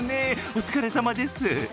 お疲れさまです。